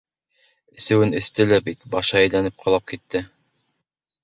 Эсеүен-эсте лә бит, башы әйләнеп ҡолап китте: